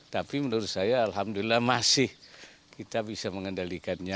tapi menurut saya alhamdulillah masih kita bisa mengendalikannya